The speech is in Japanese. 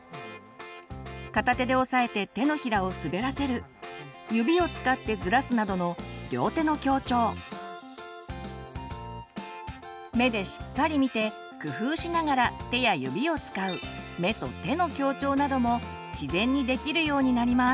片手で押さえて手のひらを滑らせる指を使ってずらすなどの目でしっかり見て工夫しながら手や指を使う自然にできるようになります。